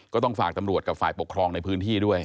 ก็ต้องฝากตำรวจกับฝ่ายปกครองในพื้นที่ด้วย